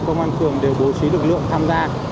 công an phường đều bố trí lực lượng tham gia